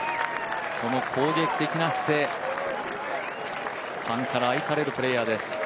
この攻撃的な姿勢、ファンから愛されるプレーヤーです。